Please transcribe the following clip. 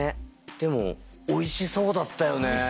でもおいしそうだったよね。